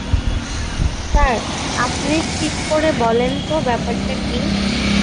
Sir, আপনি ঠিক করে বলেন তো ব্যাপারটা কি।